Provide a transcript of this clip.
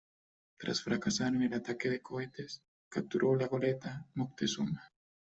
Tras fracasar en un ataque con cohetes, capturó la goleta "Moctezuma".